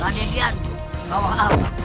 kandendianmu kau amat